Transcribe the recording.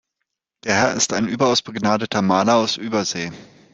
Der Herr ist ein überaus begnadeter Maler aus Übersee.